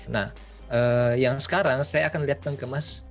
nah yang sekarang saya akan lihat penggemas